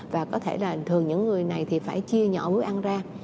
và có thể là thường những người này thì phải chia nhỏ mới ăn ra